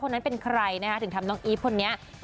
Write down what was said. นั้นเป็นใครนะคะถึงทำน้องอีฟคนนี้